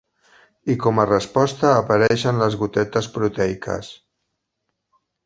I com a resposta apareixen les gotetes proteiques.